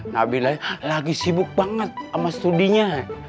nabila lagi sibuk banget sama studinya